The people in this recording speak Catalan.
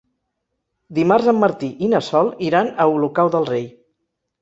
Dimarts en Martí i na Sol iran a Olocau del Rei.